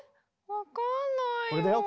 分かんないよ。